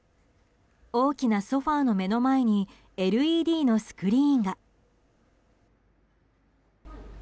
大きなソファの目の前にＬＥＤのスクリーンが。